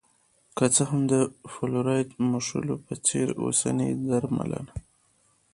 که څه هم د فلورایډ موښلو په څېر اوسنۍ درملنه